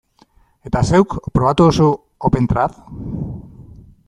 Eta zeuk, probatu duzu OpenTrad?